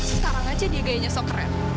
sekarang aja dia gayanya sok keren